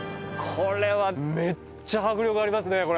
これはめっちゃ迫力ありますね